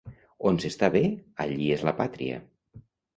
On s'està bé, allí és la pàtria.